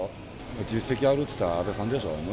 実績あるっていったら、安倍さんでしょう。